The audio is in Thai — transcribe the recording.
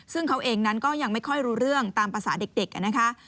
ซึ่งเขาเองนั้นก็ยังไม่ค่อยรู้เรื่องตามภาษาเด็กนะคะ